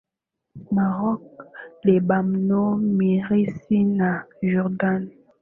morocco lebanon misiri na jordan